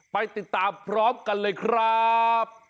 ไปติดตามพร้อมกันเลยครับ